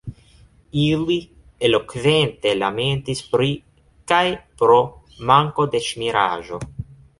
Ili elokvente lamentis pri kaj pro manko de ŝmiraĵo.